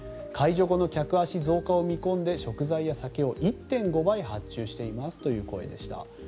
解除後の客足増加を見込んで食材や酒を１．５倍発注しているという声でした。